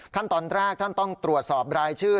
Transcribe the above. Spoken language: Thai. ขั้นตอนแรกท่านต้องตรวจสอบรายชื่อ